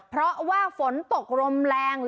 เพราะว่าฝนตกลมแรง